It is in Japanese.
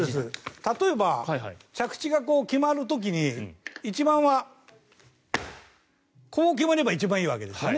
例えば、着地が決まる時に一番はこう決まれば一番いいわけですよね。